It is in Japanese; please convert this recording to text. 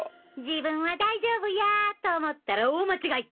自分は大丈夫やと思ったら大間違い！